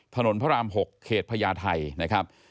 ถนนพระอำ๖เขตพระยาไทยนะครับ